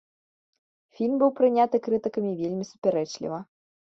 Фільм быў прыняты крытыкамі вельмі супярэчліва.